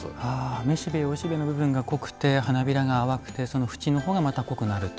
雌しべ、雄しべの部分が濃くて花びらが淡くて縁のほうがまた濃くなると。